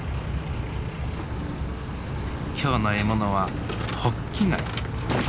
今日の獲物はホッキ貝。